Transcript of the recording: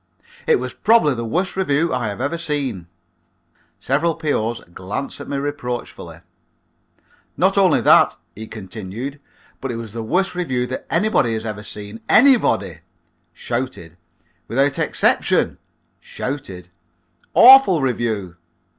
"It was probably the worst review I have ever seen (several P.O.'s glanced at me reproachfully), not only that," he continued, "but it was the worst review that anybody has ever seen. Anybody! (shouted) without exception! (shouted) awful review!